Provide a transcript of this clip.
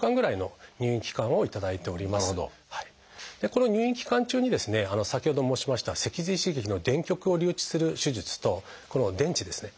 この入院期間中に先ほど申しました脊髄刺激の電極を留置する手術とこの電池ですね